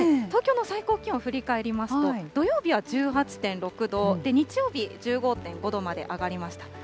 東京の最高気温を振り返りますと、土曜日は１８．６度、日曜日、１５．５度まで上がりました。